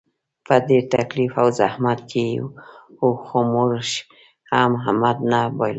په ډېر تکلیف او زحمت کې وو، خو موږ هم همت نه بایللو.